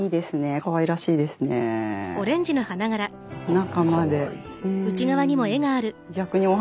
中まで。